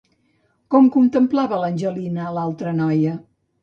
Com contemplava l'Angelina a l'altra noia?